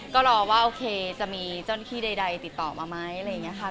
ก็รอว่าโอเคจะมีเจ้าหน้าที่ใดติดต่อมาไหมอะไรอย่างนี้ค่ะ